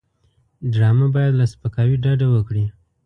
ډرامه باید له سپکاوي ډډه وکړي